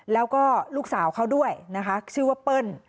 แล้วก็ลูกสาวเขาด้วยนะคะชื่อว่าเปิ้ล